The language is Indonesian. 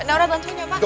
naura bantuinnya pak